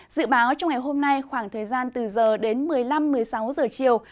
dự báo trong ngày hôm nay khoảng thời gian từ giờ đến một mươi năm một mươi sáu giờ chiều